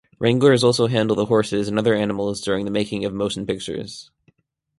Wranglers also handle the horses and other animals during the making of motion pictures.